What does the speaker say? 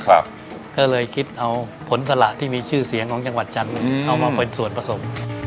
ก็เลยคิดเอาผลสละที่มีชื่อเสียงของจังหวัดจันทร์เอามาเป็นส่วนผสม